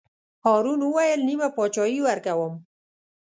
هارون وویل: نیمه بادشاهي ورکووم.